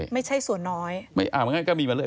ไม่ใช่ส่วนน้อย